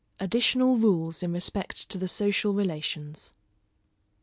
_Additional Rules in respect to the Social Relations.